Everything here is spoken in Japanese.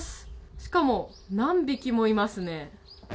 しかも何匹もいますね。